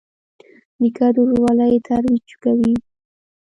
نیکه د ورورولۍ ترویج کوي.